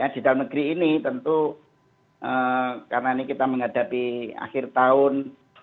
di dalam negeri ini tentu karena ini kita menghadapi akhir tahun